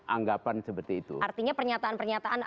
anggapan seperti itu artinya pernyataan pernyataan